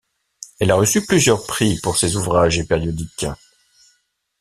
Elle a reçu plusieurs prix pour ses ouvrages et périodiques.